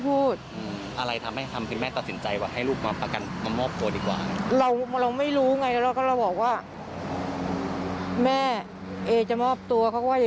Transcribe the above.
ตุ๊กตามมาแย่งมือหนูหนูจะฆ่าตัวตาย